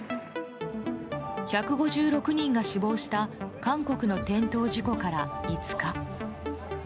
１５６人が死亡した韓国の転倒事故から５日。